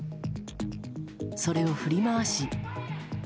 それを振り回し。